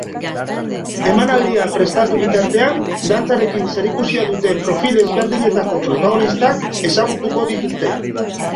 Emanaldia prestatu bitartean, dantzarekin zerikusia duten profil ezberdinetako protagonistak ezagutuko dituzte.